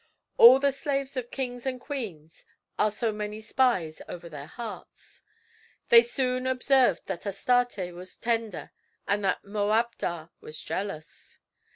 All the slaves of kings and queens are so many spies over their hearts. They soon observed that Astarte was tender and that Moabdar was jealous.